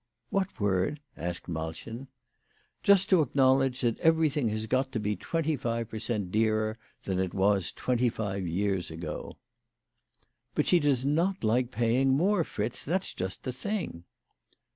" What word ?" asked Malchen. " Just to acknowledge that everything has got to be twenty five per cent, dearer than it was twenty five years ago." "But she does not like paying more, Fritz. That's just the thing."